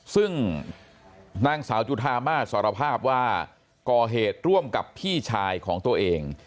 ซึ่งนางสาวจุธามาสสารภาพว่าก่อเหตุร่วมกับพี่ชายของตัวเอง